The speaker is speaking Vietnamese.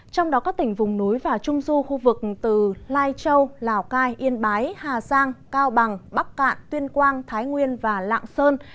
trong đó các tỉnh vùng núi và trung du khu vực từ lai châu lào cai yên bái hà giang cao bằng bắc cạn tuyên quang thái nguyên và lạng sơn